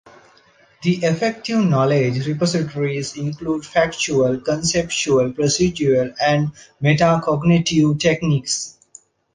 The effective knowledge repositories include factual, conceptual, procedural and meta-cognitive techniques.